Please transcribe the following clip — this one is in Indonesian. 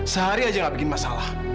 sehari aja gak bikin masalah